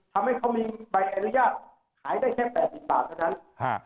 ทำให้เขามีใบอนุญาตขายได้แค่แปดสิบบาทเท่านั้น